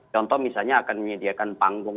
contoh misalnya akan menyediakan panggung